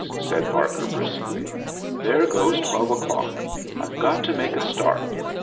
said Barker, briskly, "there goes twelve o'clock. Vve got to make a start.